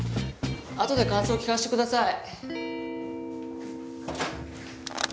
あとで感想聞かせてください。